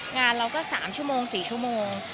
งานเราก็เป็น๓๔ชั่วโมง